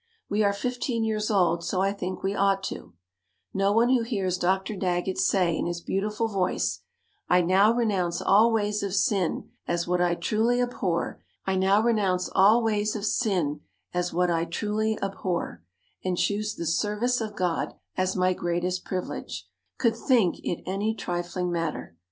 We are fifteen years old so I think we ought to. No one who hears Dr. Daggett say in his beautiful voice, "I now renounce all ways of sin as what I truly abhor and choose the service of God as my greatest privilege," could think it any trifling matter.